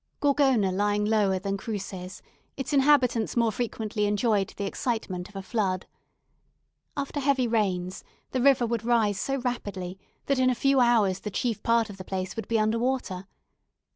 Gorgona lying lower than Cruces, its inhabitants more frequently enjoyed the excitement of a flood. After heavy rains, the river would rise so rapidly that in a few hours the chief part of the place would be under water.